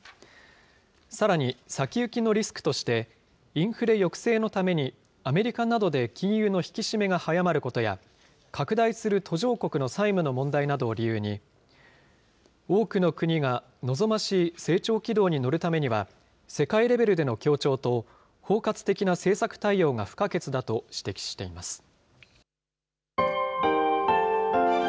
さらに、先行きのリスクとして、インフレ抑制のために、アメリカなどで金融の引き締めが速まることや、拡大する途上国の債務の問題などを理由に、多くの国が望ましい成長軌道に乗るためには、世界レベルでの協調と、包括的な政策対応が不可欠だと指摘しています。